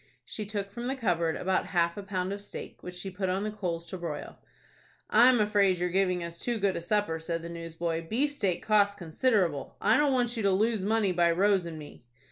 She took from the cupboard about half a pound of steak, which she put on the coals to broil. "I'm afraid you're giving us too good a supper," said the newsboy. "Beefsteak costs considerable. I don't want you to lose money by Rose and me."